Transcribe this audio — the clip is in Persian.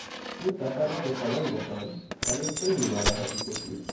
او سفر را به پایان رساند ولی خیلی ناراحتی کشید.